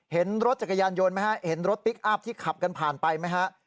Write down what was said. เห็นรถจักรยานยนต์ไหมฮะเห็นรถพลิกอัพที่ขับกันผ่านไปไหมฮะ